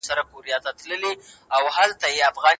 ځان وژنه د ستونزو حل نه ده.